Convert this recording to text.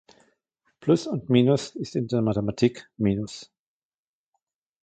Plus und Minus ist in der Mathematik Minus.